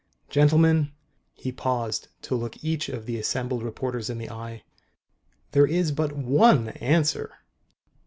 Gentlemen " He paused to look each of the assembled reporters in the eye. " there is but one answer."